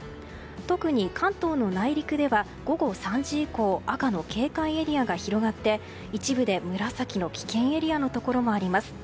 特に関東の内陸では午後３時以降、赤の警戒エリアが広がって一部で紫の危険エリアのところもあります。